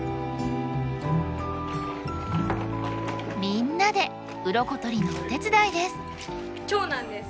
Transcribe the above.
みんなでウロコ取りのお手伝いです。